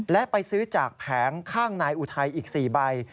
และไปซื้อจากแผงข้างนายอุทัยอีก๔ใบ